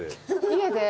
家で？